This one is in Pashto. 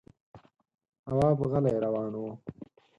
تواب غلی روان و.